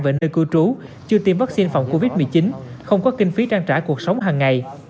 về nơi cư trú chưa tiêm vắc xin phòng covid một mươi chín không có kinh phí trang trả cuộc sống hàng ngày